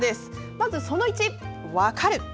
まずその１「わかる」。